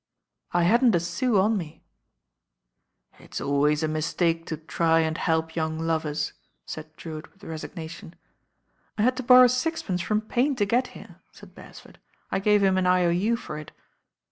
"I hadn't a sou on me." "It's always a mistake to try and help young lovers," said' Drewitt with resignation. "I had to borrow sixpence from Payne to get here," said Beresford. "I gave him an I.O.U. for it."